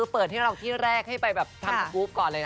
เปิดให้เราที่แรกให้ไปแบบทำสกรูปก่อนเลยนะ